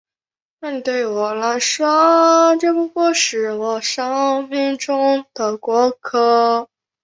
武殊利用合体弹珠人制造机把野生动物改造成为掌管四个不同属性的合体弹珠人。